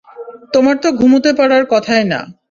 তোমার তো ঘুমোতে পারার কথাই না।